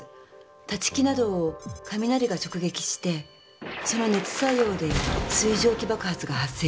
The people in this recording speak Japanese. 立ち木などを雷が直撃してその熱作用で水蒸気爆発が発生した。